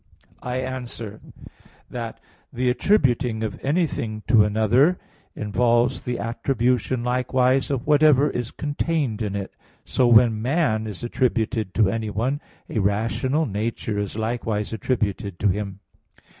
I answer that, The attributing of anything to another involves the attribution likewise of whatever is contained in it. So when "man" is attributed to anyone, a rational nature is likewise attributed to him.